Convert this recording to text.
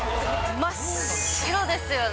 真っ白ですよね。